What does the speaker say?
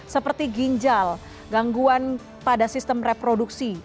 seperti ginjal gangguan pada sistem reproduksi